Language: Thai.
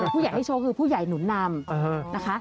ผู้ใหญ่ให้โชคคือผู้ใหญ่หนุนนำนะคะ